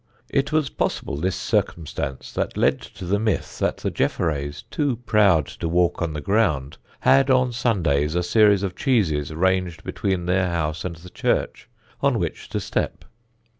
It was possibly this circumstance that led to the myth that the Jefferays, too proud to walk on the ground, had on Sundays a series of cheeses ranged between their house and the church, on which to step.